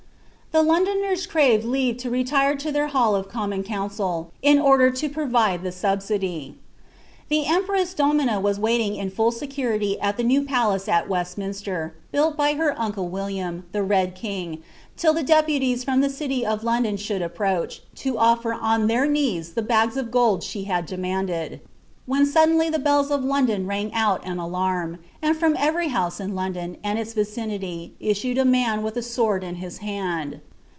The Londoners craved leave to retire to their hall of common council, in order to provide the subsidy. The cmpress domina was waiting in full security at the new palace at Westminster, built by her uncle William, the Red King, till the deputies from the city of London should approach, to ofler on their knees the bags of gold she had demanded ; when suddenly the bells of London rang out an alarum, and from every house in London and its vicinity issued a man with a sword in his hand.